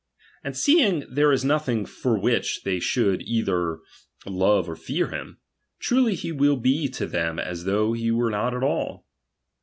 And seeing there is nothing for which they should either love or fear him, truly he will be to them as though he were uot at all.